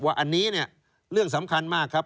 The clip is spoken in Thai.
ว่าอันนี้เนี่ยเรื่องสำคัญมากครับ